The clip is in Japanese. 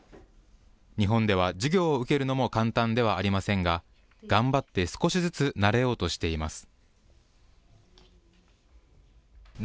日本では授業を受けるのも簡単ではありませんが、頑張って少しずつ慣れようとしています。